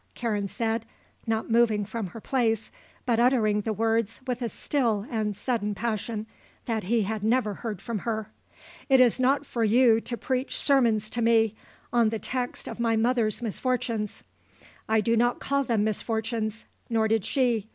Karen said, not moving from her place but uttering the words with a still and sudden passion that he had never heard from her. "It is not for you to preach sermons to me on the text of my mother's misfortunes. I do not call them misfortunes nor did she.